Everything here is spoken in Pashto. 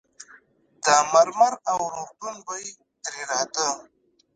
د مرمر او روغتون بوی ترې راته.